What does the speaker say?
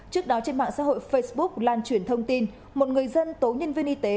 trước đó trên mạng xã hội facebook lan truyền thông tin một người dân tố nhân viên y tế